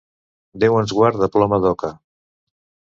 Déu ens guard de ploma d'oca!